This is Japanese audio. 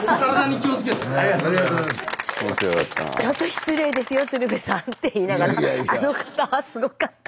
「ちょっと失礼ですよ鶴瓶さん」って言いながらあの方はすごかった。